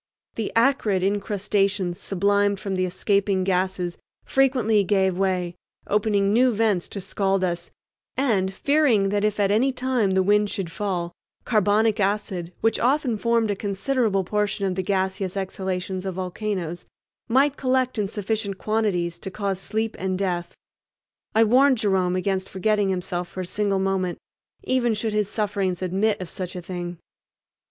The acrid incrustations sublimed from the escaping gases frequently gave way, opening new vents to scald us; and, fearing that if at any time the wind should fall, carbonic acid, which often formed a considerable portion of the gaseous exhalations of volcanoes, might collect in sufficient quantities to cause sleep and death, I warned Jerome against forgetting himself for a single moment, even should his sufferings admit of such a thing.